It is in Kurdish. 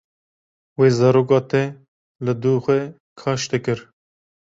Wê zaroka te li du xwe kaş dikir.